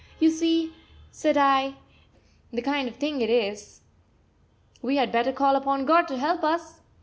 "You see," said I, "the kind of thing it is. We had better call upon God to help us!"